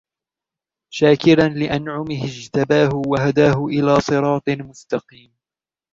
شاكرا لأنعمه اجتباه وهداه إلى صراط مستقيم